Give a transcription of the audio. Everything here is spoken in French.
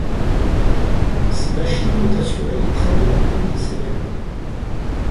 Ces machines ont assurées les trains de la ligne des Cévennes.